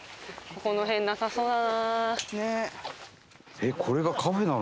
この辺なさそうだな。